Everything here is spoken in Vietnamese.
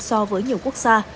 so với nhiều quốc gia